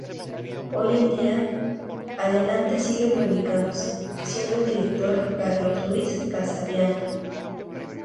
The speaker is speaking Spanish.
Hoy en día, Adelante sigue publicándose, siendo el director Carlos Luis Casabianca.